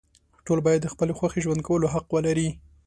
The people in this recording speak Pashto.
ټول باید د خپلې خوښې ژوند کولو حق ولري.